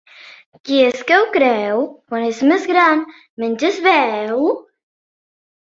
Qui és que ho creu, quan és més gran, menys es veu?